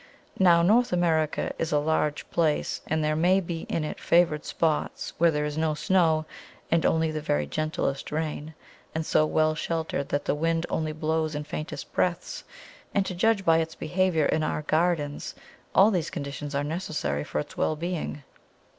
Now, North America is a large place, and there may be in it favoured spots where there is no snow, and only the very gentlest rain, and so well sheltered that the wind only blows in faintest breaths; and to judge by its behaviour in our gardens, all these conditions are necessary for its well being.